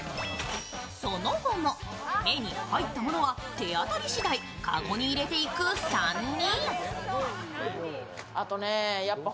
その後も、目に入ったものは手当たり次第、籠に入れていく３人。